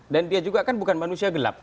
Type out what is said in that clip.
dan dia juga kan bukan manusia gelap